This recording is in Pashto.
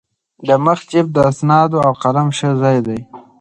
د مخ جېب د اسنادو او قلم ښه ځای دی.